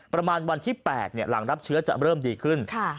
ประมาณวันที่๘หลังรับเชื้อจะเริ่มดีขึ้น